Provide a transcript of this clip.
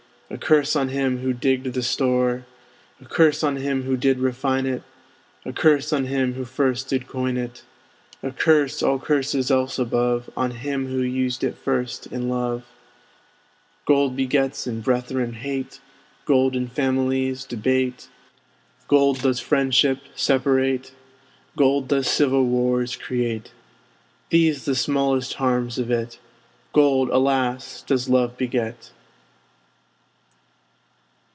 A curse on him who digged the store! A curse on him who did refine it! A curse on him who first did coin it! A curse, all curses else above, On him who used it first in love! Gold begets in brethren hate; Gold in families debate; Gold does friendship separate; Gold does civil wars create. These the smallest harms of it! Gold, alas! does love beget.